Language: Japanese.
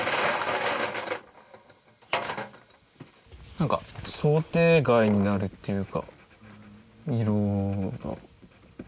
何か想定外になるっていうか色が。